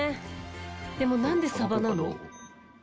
でも何でサバなの？